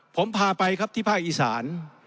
ผมพาไปครับที่ภาคอีสาน